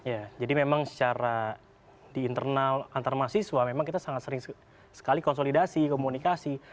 ya jadi memang secara di internal antar mahasiswa memang kita sangat sering sekali konsolidasi komunikasi